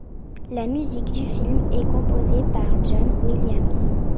La musique du film est composée par John Williams.